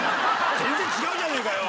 全然違うじゃねえかよ。